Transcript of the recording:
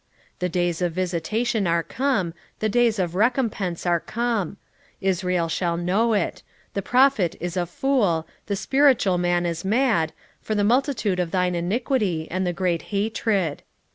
9:7 The days of visitation are come, the days of recompence are come; Israel shall know it: the prophet is a fool, the spiritual man is mad, for the multitude of thine iniquity, and the great hatred.